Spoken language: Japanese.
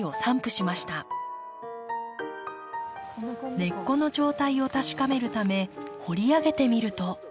根っこの状態を確かめるため掘り上げてみると。